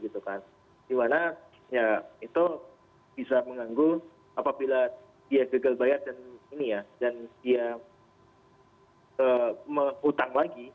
dimana ya itu bisa menganggul apabila dia gagal bayar dan dia mengutang lagi